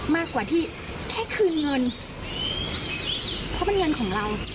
มากกว่าที่แค่คืนเงินเพราะมันเงินของเรา